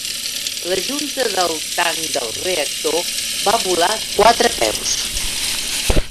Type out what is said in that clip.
La junta del tanc del reactor va volar quatre peus.